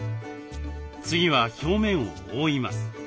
次は表面を覆います。